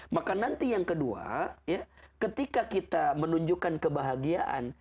maka nanti yang kedua ketika kita menunjukkan kebahagiaan